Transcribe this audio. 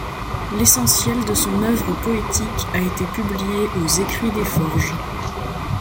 L'essentiel de son œuvre poétique a été publié aux Écrits des Forges.